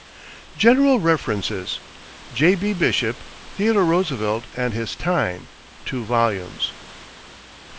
=General References= J.B. Bishop, Theodore Roosevelt and His Time (2 vols.).